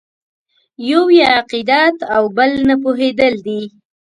یو یې عقیدت او بل نه پوهېدل دي.